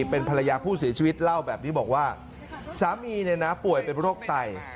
เป็นภรรยาผู้เสียชีวิตเล่าแบบนี้บอกว่าสามีป่วยเป็นโรคไต